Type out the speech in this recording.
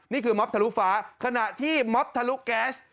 มอบทะลุฟ้าขณะที่ม็อบทะลุแก๊ส